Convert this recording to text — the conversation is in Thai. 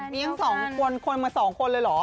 มียังสองคนคนมาสองคนเลยเหรอ